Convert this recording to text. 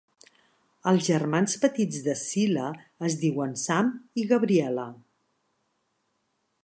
Els germans petits de Cila es diuen Sam i Gabriella.